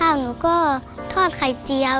แล้วหนูก็บอกว่าไม่เป็นไรห้าว่างนะคะ